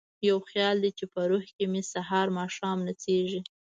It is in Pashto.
یو خیال دی چې په روح کې مې سهار ماښام نڅیږي